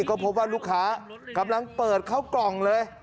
ก็พบว่าลูกค้ากำลังเปิดเข้ากล่องเลย